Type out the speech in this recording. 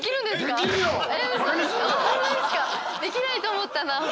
できないと思ったな。